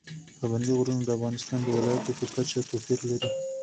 پابندی غرونه د افغانستان د ولایاتو په کچه توپیر لري.